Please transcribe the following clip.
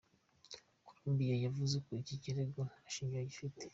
Colombia yavuze ko iki kirego "nta shingiro gifite.